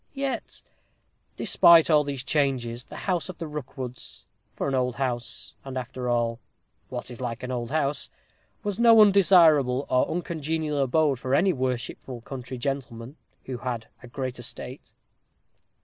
Yet, despite all these changes, the house of the Rookwoods, for an old house and, after all, what is like an old house? was no undesirable or uncongenial abode for any worshipful country gentleman "who had a great estate."